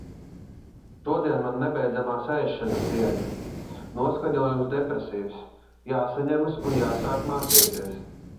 Šodien man nebeidzamās ēšanas diena. Noskaņojums depresīvs. Jāsaņemas un jāsāk mācīties.